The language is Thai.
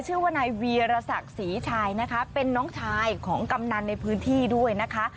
ชื่อว่านายวีรศักดิ์ศรีชายนะคะเป็นน้องชายของกำนันในพื้นที่ด้วยนะคะ